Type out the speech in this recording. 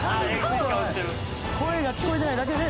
声が聞こえてないだけで。